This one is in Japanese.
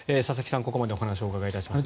ここまでお話をお伺いしました。